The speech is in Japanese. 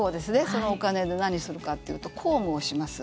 そのお金で何するかというと公務をします。